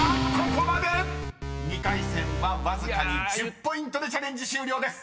［２回戦はわずかに１０ポイントでチャレンジ終了です］